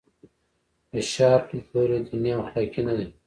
د شارپ لیدلوری دیني او اخلاقي نه دی.